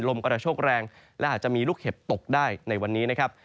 กระโชคแรงและอาจจะมีลูกเห็บตกได้ในวันนี้นะครับ